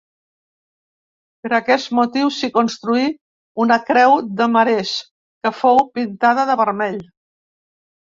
Per aquest motiu s'hi construí una creu de marès, que fou pintada de vermell.